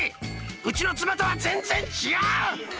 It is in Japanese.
うちの妻とは全然違う！